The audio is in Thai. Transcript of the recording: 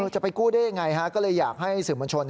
กู้จะไปกู้ได้อย่างไรก็เลยอยากให้สื่อมั่นชน